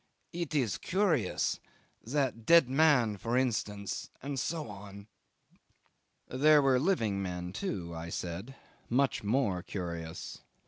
It is curious. That dead man, for instance and so on." '"There were living men too," I said; "much more curious."